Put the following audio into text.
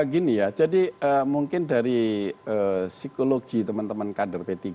gini ya jadi mungkin dari psikologi teman teman kader p tiga